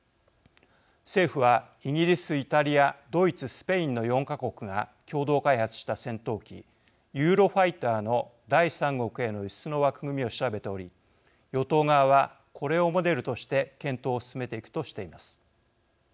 政府はイギリス・イタリアドイツ・スペインの４か国が共同開発した戦闘機ユーロファイターの第三国への輸出の枠組みを調べており与党側はこれをモデルとして検討を進めていくとしています。